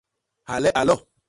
Hale a lo.